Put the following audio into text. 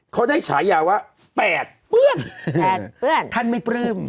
เขาได้ฉายาว่าแปดเปื้อนท่านไม่ปลื้ม